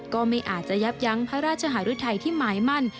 ก็ไม่อาจจะยับยั้งพระราชหารุทัยที่หมายมั่น